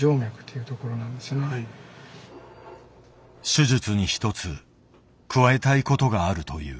手術に１つ加えたいことがあるという。